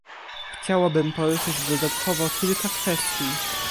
Chciałabym poruszyć dodatkowo kilka kwestii